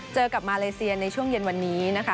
เจอกับมาเลเซียในช่วงเย็นวันนี้นะคะ